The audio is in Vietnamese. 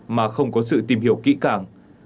mà không có sự tìm hiểu kỹ cảng